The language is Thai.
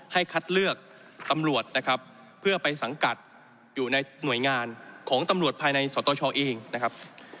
คัดเลือกตำรวจนะครับเพื่อไปสังกัดอยู่ในหน่วยงานของตำรวจภายในสตชเองนะครับ